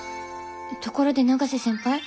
ところで永瀬先輩